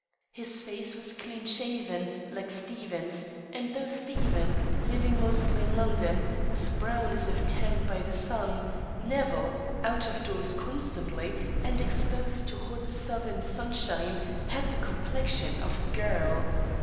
His face was clean shaven, like Stephen's, and though Stephen, living mostly in London, was brown as if tanned by the sun, Nevill, out of doors constantly and exposed to hot southern sunshine, had the complexion of a girl.